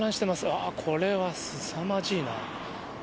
ああ、これはすさまじいな。